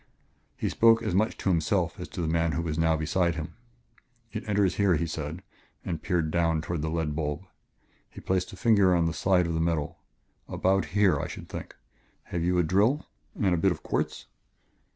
He spoke as much to himself as to the man who was now beside him. "It enters here," he said and peered downward toward the lead bulb. He placed a finger on the side of the metal. "About here, I should think.... Have you a drill? And a bit of quartz?"